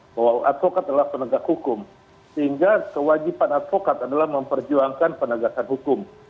bahwa advokat adalah penegak hukum sehingga kewajiban advokat adalah memperjuangkan penegakan hukum